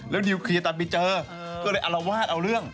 แล้วนิวเคลียร์ตันไปเจอก็เลยอารวาสเอาเรื่อง